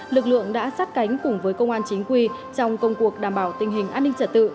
lực lượng đã sát cánh cùng với công an chính quy trong công cuộc đảm bảo tình hình an ninh trật tự